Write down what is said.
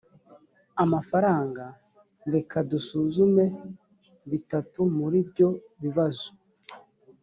amafaranga reka dusuzume bitatu muri byo bibazo